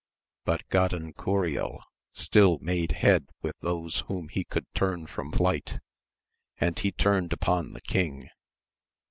But Gadancuriel still made head with those whom he could turn from flight, and he turned upon the king.